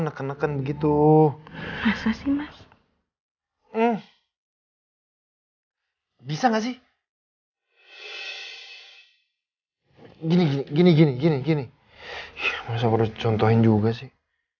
neken neken gitu mas sih mas eh bisa nggak sih gini gini gini gini gini contohin juga sih